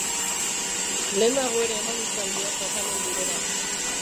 Lehenago ere eman izan dio tratamendu bera.